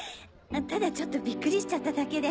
ただちょっとビックリしちゃっただけで。